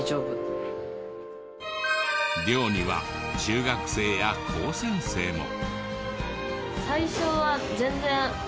寮には中学生や高専生も。